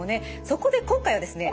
そこで今回はですね